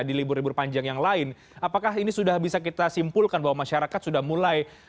di libur libur panjang yang lain apakah ini sudah bisa kita simpulkan bahwa masyarakat sudah mulai